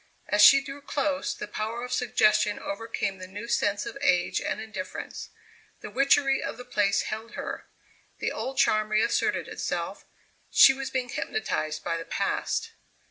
As she drew close the power of suggestion overcame the new sense of age and indifference; the witchery of the place held her; the old charm reasserted itself; she was being hypnotized by the Past.